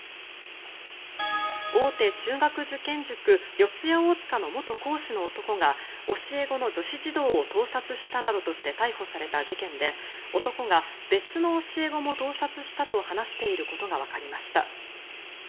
大手中学受験塾四谷大塚の元講師の男が教え子の女子児童を盗撮したなどとして逮捕された事件で男が、別の教え子も盗撮したと話していることがわかりました。